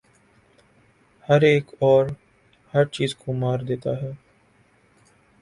ہر ایک اور ہر چیز کو مار دیتا ہے